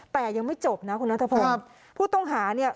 แต่ยังไม่จบนะคุณนัทพงศ์ผู้ต้องหาเนี่ย